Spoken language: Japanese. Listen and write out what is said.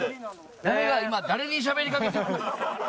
誰が今誰にしゃべりかけてるの？